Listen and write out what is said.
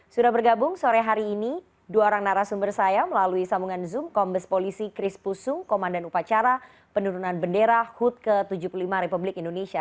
sudah bergabung sore hari ini dua orang narasumber saya melalui sambungan zoom kombes polisi kris pusung komandan upacara penurunan bendera hud ke tujuh puluh lima republik indonesia